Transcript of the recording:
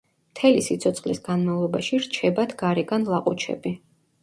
მთელი სიცოცხლის განმავლობაში რჩებათ გარეგან ლაყუჩები.